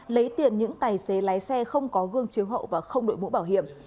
lấy tiền những tài xế lái xe không có gương chiếu hậu và không đội mũ bảo hiểm